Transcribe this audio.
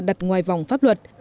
đặt ngoài vòng pháp luật